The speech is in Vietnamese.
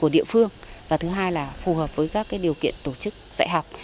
địa phương và thứ hai là phù hợp với các điều kiện tổ chức dạy học